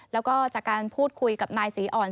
แล้วก็จากการพูดคุยกับนายศรีอ่อน